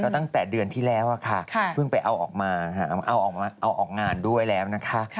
ตั้งแต่เดือนที่แล้วค่ะเพิ่งไปเอาออกมาเอาออกงานด้วยแล้วนะคะ